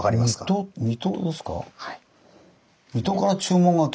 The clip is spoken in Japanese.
はい。